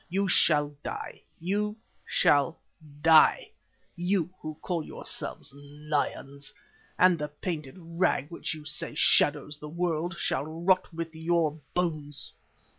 You shall die, you shall die, you who call yourselves lions, and the painted rag which you say shadows the world, shall rot with your bones.